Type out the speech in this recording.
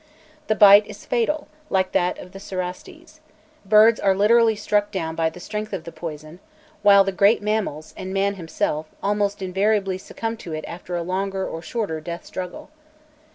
The bite is fatal, like that of the cerastes; birds are literally struck down by the strength of the poison, while the great mammals, and man himself, almost invariably succumb to it after a longer or shorter death struggle.